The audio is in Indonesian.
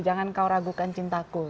jangan kau ragukan cintaku